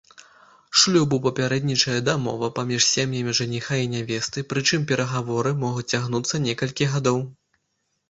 Шлюбу папярэднічае дамова паміж сем'ямі жаніха і нявесты, прычым перагаворы могуць цягнуцца некалькі гадоў.